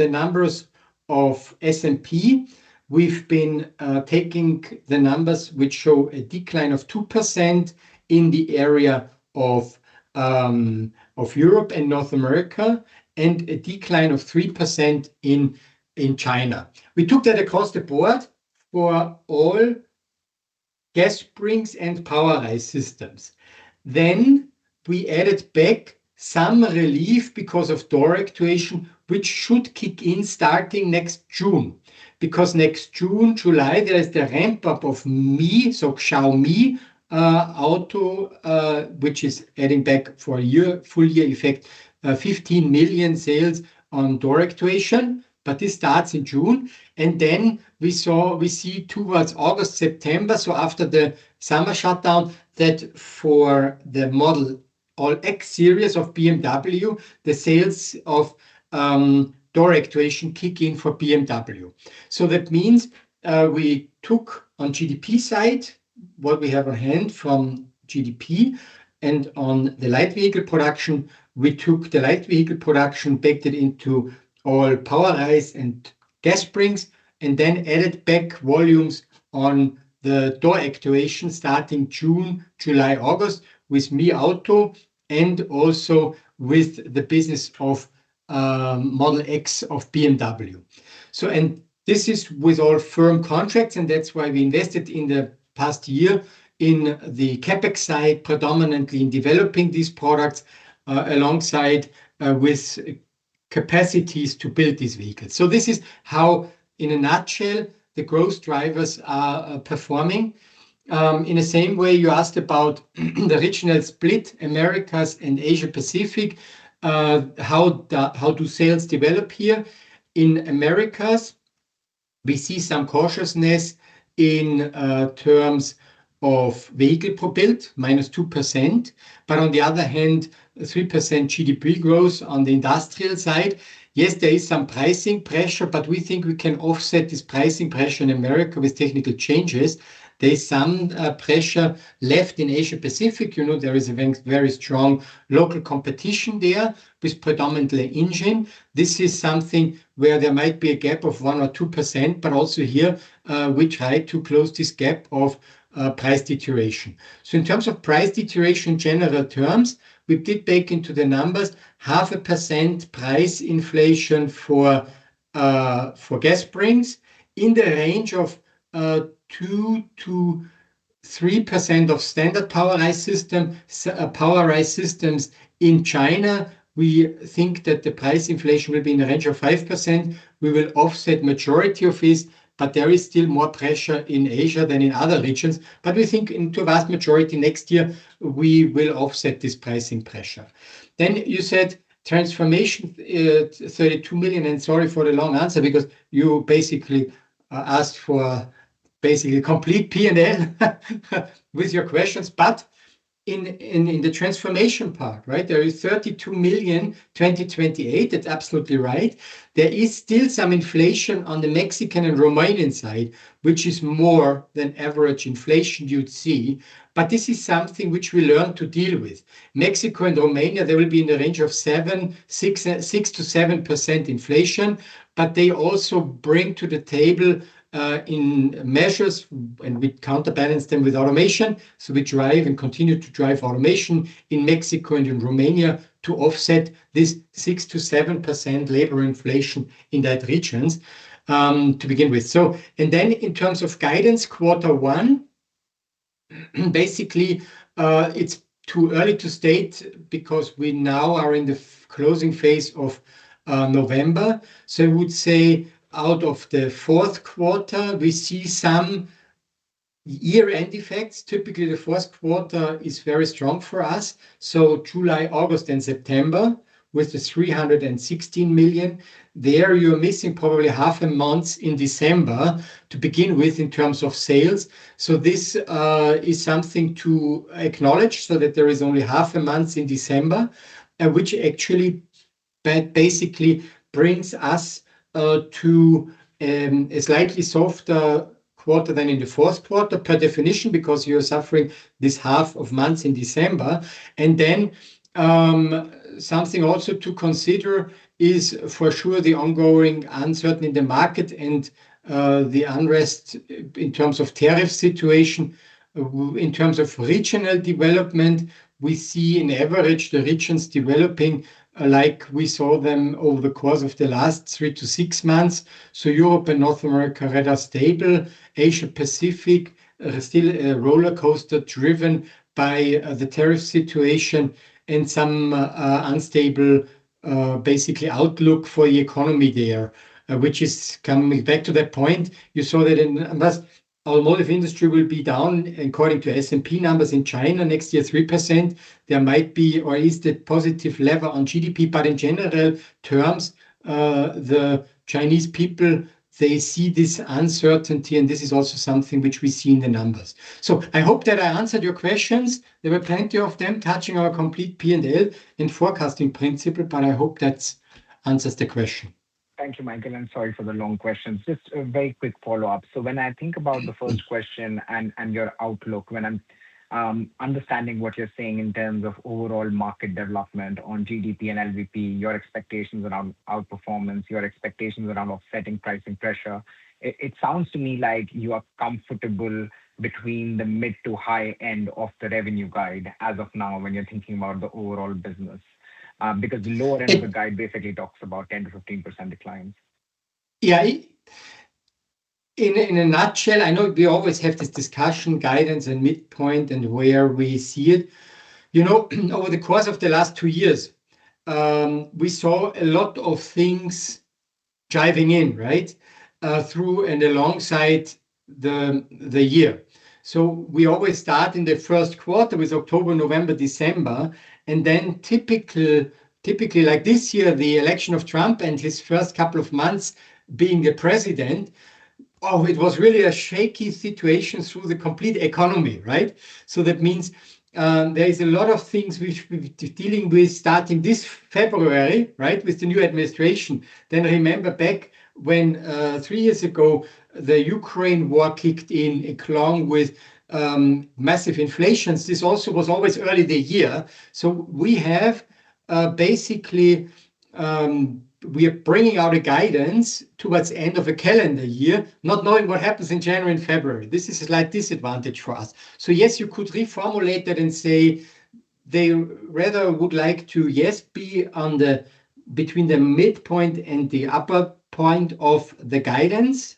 numbers of S&P. We've been taking the numbers which show a decline of 2% in the area of Europe and North America and a decline of 3% in China. We took that across the board for all gas springs and POWERISE systems. Then we added back some relief because of door actuation, which should kick in starting next June. Because next June, July, there is the ramp-up of Mi, so Xiaomi Auto, which is adding back for a full year effect, 15 million sales on door actuation. But this starts in June. And then we see towards August, September, so after the summer shutdown, that for the model X Series of BMW, the sales of door actuation kick in for BMW. So that means we took on GDP side, what we have on hand from GDP, and on the light vehicle production, we took the light vehicle production, baked it into all POWERISE and gas springs, and then added back volumes on the door actuation starting June, July, August with Mi Auto and also with the business of model X of BMW. So and this is with all firm contracts, and that's why we invested in the past year in the CapEx side, predominantly in developing these products alongside with capacities to build these vehicles. So this is how, in a nutshell, the growth drivers are performing. In the same way, you asked about the regional split, Americas and Asia-Pacific, how do sales develop here? In Americas, we see some cautiousness in terms of vehicle per build, -2%. But on the other hand, 3% GDP growth on the industrial side. Yes, there is some pricing pressure, but we think we can offset this pricing pressure in Americas with technical changes. There's some pressure left in Asia-Pacific. You know there is a very strong local competition there with predominantly [ANJUN]. This is something where there might be a gap of 1% or 2%, but also here we try to close this gap of price deterioration. So in terms of price deterioration in general terms, we did bake into the numbers 0.5% price inflation for gas springs in the range of 2%-3% of standard POWERISE systems. In China, we think that the price inflation will be in the range of 5%. We will offset the majority of this, but there is still more pressure in Asia than in other regions. But we think in the vast majority next year, we will offset this pricing pressure. Then you said transformation, 32 million. Sorry for the long answer because you basically asked for basically complete P&L with your questions. But in the transformation part, right, there is 32 million 2028. That's absolutely right. There is still some inflation on the Mexican and Romanian side, which is more than average inflation you'd see. But this is something which we learned to deal with. Mexico and Romania, there will be in the range of 6%-7% inflation, but they also bring to the table in measures, and we counterbalance them with automation. We drive and continue to drive automation in Mexico and in Romania to offset this 6%-7% labor inflation in that region to begin with. Then in terms of guidance, quarter one, basically it's too early to state because we now are in the closing phase of November. I would say out of the fourth quarter, we see some year-end effects. Typically, the fourth quarter is very strong for us. July, August, and September with the 316 million, there you're missing probably half a month in December to begin with in terms of sales. This is something to acknowledge so that there is only half a month in December, which actually basically brings us to a slightly softer quarter than in the fourth quarter per definition because you're suffering this half of months in December. And then something also to consider is for sure the ongoing uncertainty in the market and the unrest in terms of tariff situation. In terms of regional development, we see on average the regions developing like we saw them over the course of the last three to six months. So Europe and North America are rather stable. Asia-Pacific is still roller coaster-driven by the tariff situation and some basically unstable outlook for the economy there, which is coming back to that point. You saw that in almost all automotive industry will be down according to S&P numbers in China next year, 3%. There might be or is the positive level on GDP, but in general terms, the Chinese people, they see this uncertainty, and this is also something which we see in the numbers. So I hope that I answered your questions. There were plenty of them touching our complete P&L and forecasting principle, but I hope that answers the question. Thank you, Michael, and sorry for the long questions. Just a very quick follow-up, so when I think about the first question and your outlook, when I'm understanding what you're saying in terms of overall market development on GDP and LVP, your expectations around outperformance, your expectations around offsetting pricing pressure, it sounds to me like you are comfortable between the mid to high end of the revenue guide as of now when you're thinking about the overall business because the lower end of the guide basically talks about 10%-15% declines. Yeah. In a nutshell, I know we always have this discussion, guidance, and midpoint and where we see it. Over the course of the last two years, we saw a lot of things driving in right through and alongside the year. We always start in the first quarter with October, November, December, and then typically like this year, the election of Trump and his first couple of months being the president. It was really a shaky situation through the complete economy, right? That means there is a lot of things we're dealing with starting this February, right, with the new administration. Remember back when three years ago, the Ukraine war kicked in. It clung with massive inflations. This also was always early the year. Basically, we are bringing out a guidance towards the end of a calendar year, not knowing what happens in January and February. This is a slight disadvantage for us. Yes, you could reformulate that and say they rather would like to, yes, be between the midpoint and the upper point of the guidance.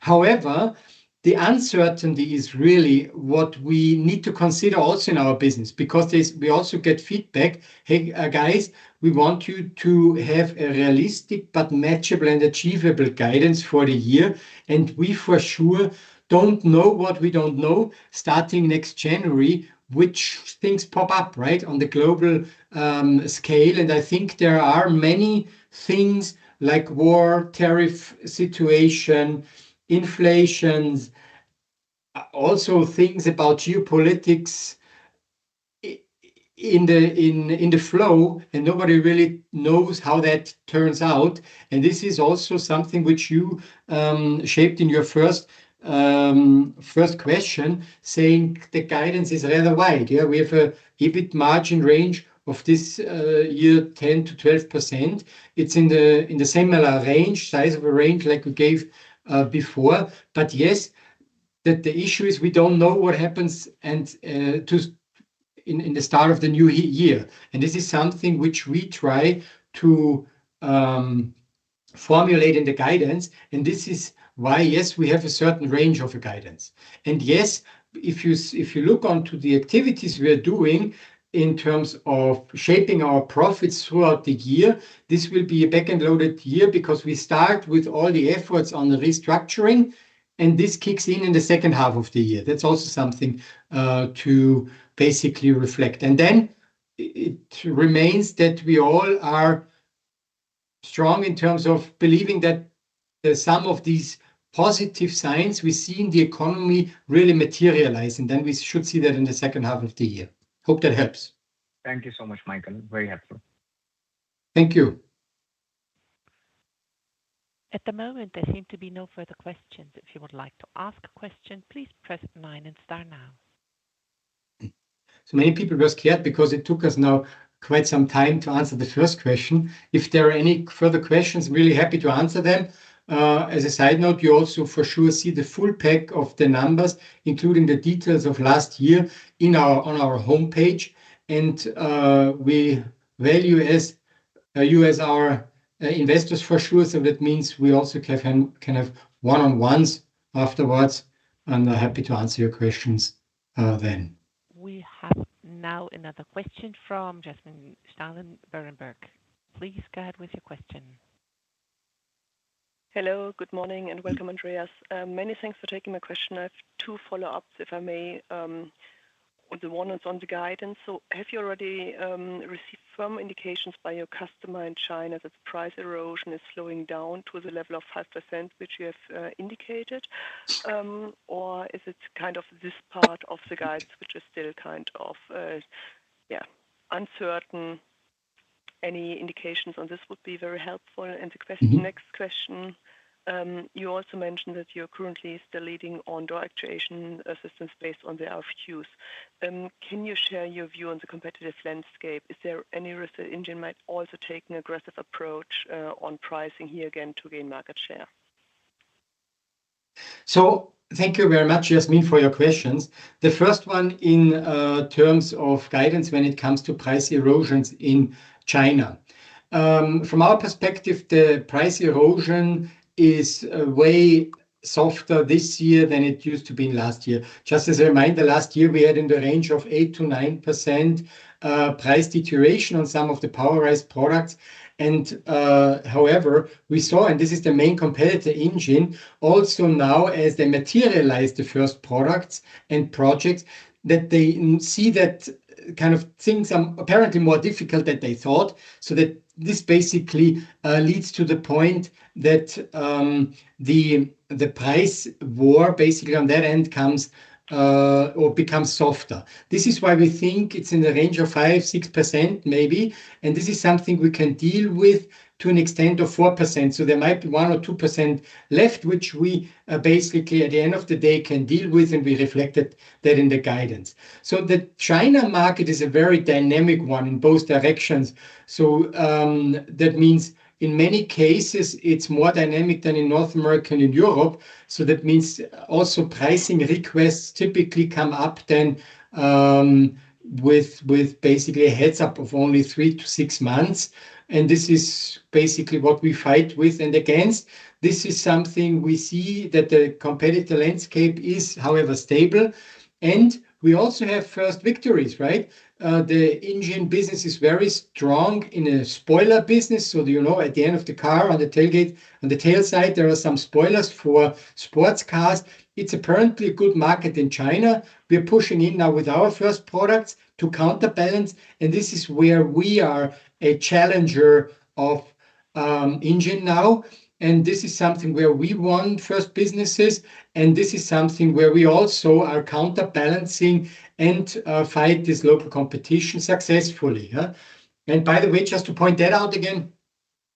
However, the uncertainty is really what we need to consider also in our business because we also get feedback, "Hey, guys, we want you to have a realistic but measurable and achievable guidance for the year." And we for sure don't know what we don't know starting next January, which things pop up, right, on the global scale. And I think there are many things like war, tariff situation, inflation, also things about geopolitics in the flow, and nobody really knows how that turns out. And this is also something which you shaped in your first question, saying the guidance is rather wide. Yeah, we have an EBIT margin range of this year, 10%-12%. It's in the similar range, size of a range like we gave before. But yes, the issue is we don't know what happens in the start of the new year. And this is something which we try to formulate in the guidance. And this is why, yes, we have a certain range of guidance. And yes, if you look onto the activities we are doing in terms of shaping our profits throughout the year, this will be a back-end loaded year because we start with all the efforts on the restructuring, and this kicks in in the second half of the year. That's also something to basically reflect. And then it remains that we all are strong in terms of believing that some of these positive signs we see in the economy really materialize. And then we should see that in the second half of the year. Hope that helps. Thank you so much, Michael. Very helpful. Thank you. At the moment, there seem to be no further questions. If you would like to ask a question, please press nine and star now. Many people were scared because it took us now quite some time to answer the first question. If there are any further questions, really happy to answer them. As a side note, you also for sure see the full pack of the numbers, including the details of last year on our homepage, and we value you as our investors for sure, so that means we also can have one-on-ones afterwards, and I'm happy to answer your questions then. We have now another question from Yasmin Steilen, Berenberg. Please go ahead with your question. Hello, good morning, and welcome, Andreas. Many thanks for taking my question. I have two follow-ups, if I may. The one is on the guidance. So have you already received firm indications by your customer in China that the price erosion is slowing down to the level of 5%, which you have indicated? Or is it kind of this part of the guidance which is still kind of, yeah, uncertain? Any indications on this would be very helpful. And the next question, you also mentioned that you're currently still leading on door actuation business based on their views. Can you share your view on the competitive landscape? Is there any risk that [ANJUN] might also take an aggressive approach on pricing here again to gain market share? So thank you very much, Yasmin, for your questions. The first one in terms of guidance when it comes to price erosions in China. From our perspective, the price erosion is way softer this year than it used to be in last year. Just as a reminder, last year, we had in the range of 8%-9% price deterioration on some of the powered products. And however, we saw, and this is the main competitor [ANJUN], also now as they materialize the first products and projects, that they see that kind of things are apparently more difficult than they thought. So that this basically leads to the point that the price war basically on that end comes or becomes softer. This is why we think it's in the range of 5%-6% maybe. And this is something we can deal with to an extent of 4%. So there might be 1%-2% left, which we basically at the end of the day can deal with, and we reflected that in the guidance. The China market is a very dynamic one in both directions. That means in many cases, it's more dynamic than in North America and in Europe. That means also pricing requests typically come up then with basically a heads-up of only three to six months. And this is basically what we fight with and against. This is something we see that the competitive landscape is, however, stable. And we also have first victories, right? The [ANJUN] business is very strong in a spoiler business. You know at the end of the car on the tailgate, on the tail side, there are some spoilers for sports cars. It's apparently a good market in China. We're pushing in now with our first products to counterbalance. And this is where we are a challenger of [ANJUN] now. And this is something where we want first businesses. And this is something where we also are counterbalancing and fight this local competition successfully. And by the way, just to point that out again,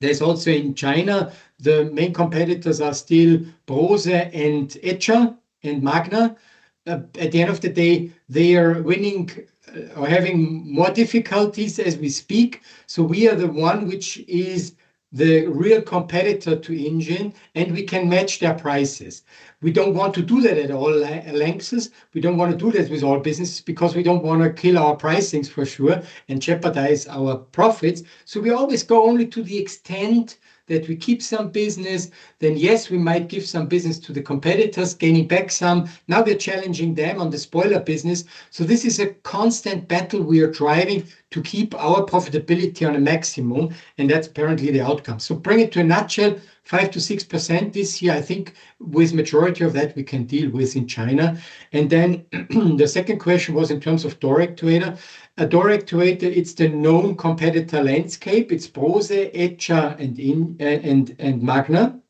there's also in China, the main competitors are still Brose and Edscha and Magna. At the end of the day, they are winning or having more difficulties as we speak. So we are the one which is the real competitor to [ANJUN], and we can match their prices. We don't want to do that at all, [Alexis]. We don't want to do that with all businesses because we don't want to kill our pricings for sure and jeopardize our profits. So we always go only to the extent that we keep some business. Then yes, we might give some business to the competitors gaining back some. Now we're challenging them on the spoiler business. This is a constant battle we are driving to keep our profitability at a maximum. And that's apparently the outcome. To bring it to a nutshell, 5%-6% this year, I think with majority of that we can deal with in China. Then the second question was in terms of door actuation. Door actuation, it's the known competitor landscape. It's Brose, Edscha, and Magna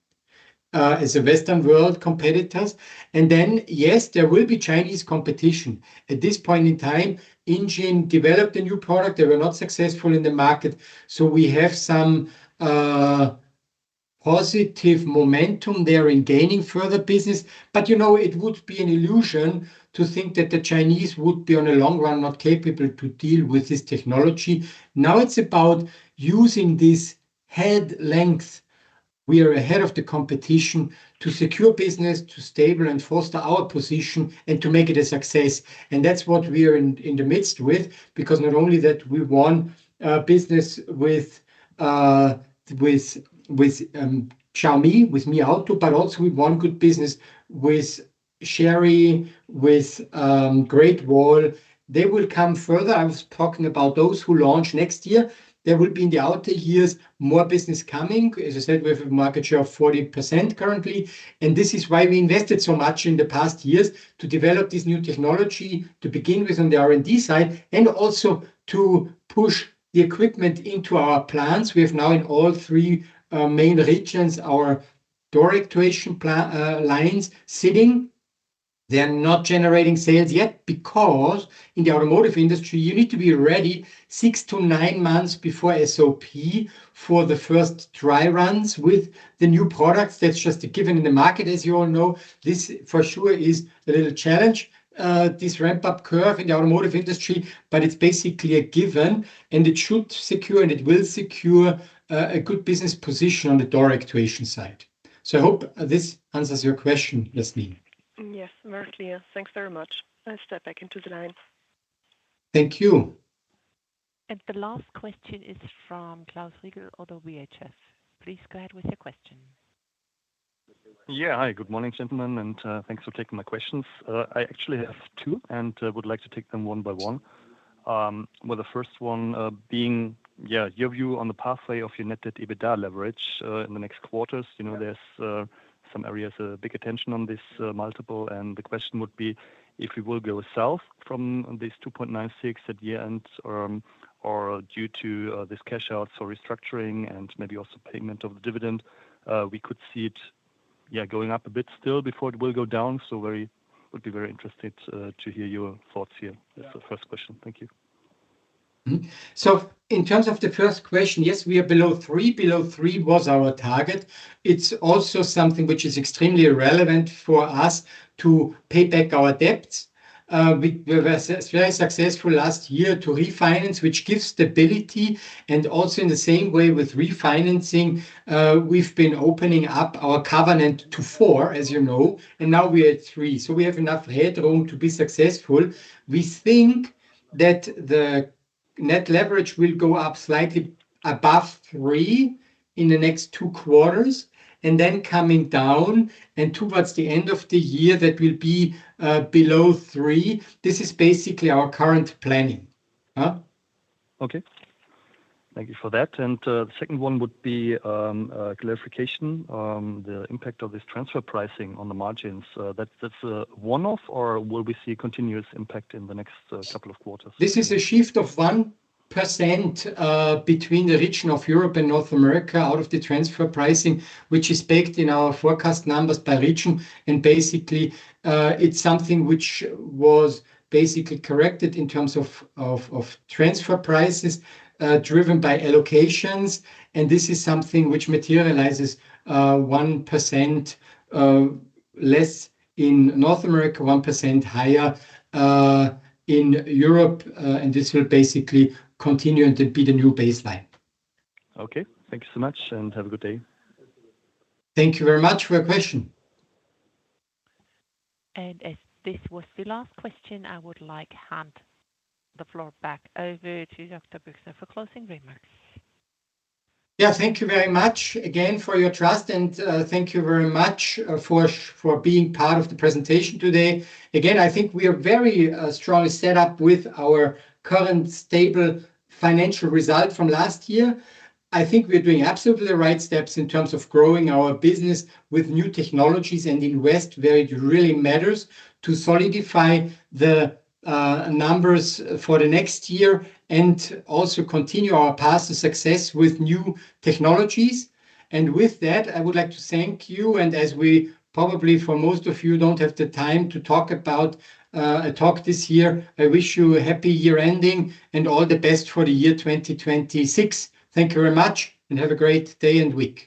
as Western world competitors. And then yes, there will be Chinese competition. At this point in time, [ANJUN] developed a new product. They were not successful in the market. So we have some positive momentum there in gaining further business. But you know it would be an illusion to think that the Chinese would be in the long run not capable to deal with this technology. Now it's about using this head start. We are ahead of the competition to secure business, to stabilize and foster our position, and to make it a success, and that's what we are in the midst with because not only that we won business with Xiaomi, with MI Auto, but also we won good business with Chery, with Great Wall. They will come further. I was talking about those who launch next year. There will be in the outer years more business coming. As I said, we have a market share of 40% currently, and this is why we invested so much in the past years to develop this new technology to begin with on the R&D side and also to push the equipment into our plants. We have now in all three main regions our door actuation lines sitting. They're not generating sales yet because in the automotive industry, you need to be ready six to nine months before SOP for the first dry runs with the new products. That's just a given in the market, as you all know. This for sure is a little challenge, this ramp-up curve in the automotive industry, but it's basically a given, and it should secure, and it will secure a good business position on the door actuation side. So I hope this answers your question, Yasmin. Yes, mostly. Yes, thanks very much. I'll step back into the line. Thank you. And the last question is from Klaus Ringel of ODDO BHF. Please go ahead with your question. Yeah, hi, good morning, gentlemen, and thanks for taking my questions. I actually have two and would like to take them one by one, with the first one being, yeah, your view on the pathway of your net debt to EBITDA leverage in the next quarters. There's some areas of big attention on this multiple, and the question would be if we will go south from this 2.96 at year-end or due to this cash-out, so restructuring and maybe also payment of the dividend, we could see it, yeah, going up a bit still before it will go down. So I would be very interested to hear your thoughts here. That's the first question. Thank you. So in terms of the first question, yes, we are below three. Below three was our target. It's also something which is extremely relevant for us to pay back our debts. We were very successful last year to refinance, which gives stability. And also in the same way with refinancing, we've been opening up our covenant to four, as you know, and now we are at three. So we have enough headroom to be successful. We think that the net leverage will go up slightly above three in the next two quarters and then coming down and towards the end of the year that will be below three. This is basically our current planning. Okay. Thank you for that. And the second one would be clarification, the impact of this transfer pricing on the margins. That's one-off or will we see continuous impact in the next couple of quarters? This is a shift of 1% between the region of Europe and North America out of the transfer pricing, which is baked in our forecast numbers by region. Basically, it's something which was basically corrected in terms of transfer prices driven by allocations. This is something which materializes 1% less in North America, 1% higher in Europe. This will basically continue and be the new baseline. Okay. Thank you so much and have a good day. Thank you very much for your question. As this was the last question, I would like to hand the floor back over to Dr. Büchsner for closing remarks. Yeah, thank you very much again for your trust, and thank you very much for being part of the presentation today. Again, I think we are very strongly set up with our current stable financial result from last year. I think we are doing absolutely the right steps in terms of growing our business with new technologies and invest where it really matters to solidify the numbers for the next year and also continue our past success with new technologies. And with that, I would like to thank you. And as we probably, for most of you, don't have the time to talk at all this year, I wish you a happy year-ending and all the best for the year 2026. Thank you very much and have a great day and week.